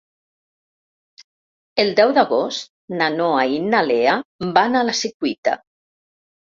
El deu d'agost na Noa i na Lea van a la Secuita.